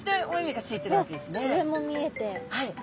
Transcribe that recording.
はい。